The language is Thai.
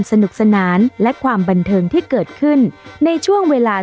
สนุกสนานและความบันเทิงที่เกิดขึ้นในช่วงเวลา